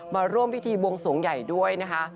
มาร่วมพิธีบวงสวงใหญ่ด้วยนะคะ